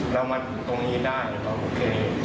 เรามาถูกจากนี่บรรยาโดนเทค